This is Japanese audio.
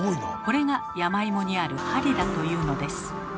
これが山芋にある「針」だというのです。